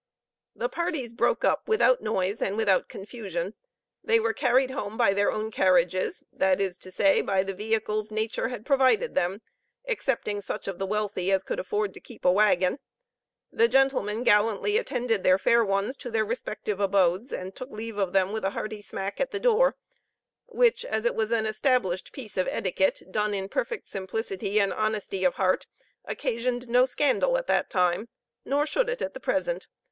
The parties broke up without noise and without confusion. They were carried home by their own carriages, that is to say, by the vehicles nature had provided them, excepting such of the wealthy as could afford to keep a wagon. The gentlemen gallantly attended their fair ones to their respective abodes, and took leave of them with a hearty smack at the door; which, as it was an established piece of etiquette, done in perfect simplicity and honesty of heart, occasioned no scandal at that time, nor should it at the present.